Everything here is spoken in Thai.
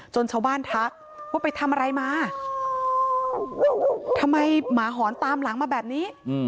ชาวบ้านทักว่าไปทำอะไรมาทำไมหมาหอนตามหลังมาแบบนี้